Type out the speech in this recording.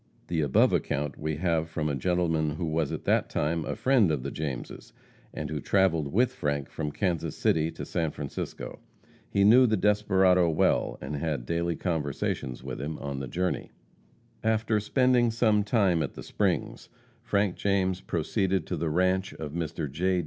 The above account we have from a gentleman who was at that time a friend of the Jameses, and who traveled with Frank from Kansas City to San Francisco. He knew the desperado well, and had daily conversations with him on the journey. After spending some time at the Springs, Frank James proceeded to the ranche of Mr. J.